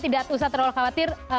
tidak usah terlalu khawatir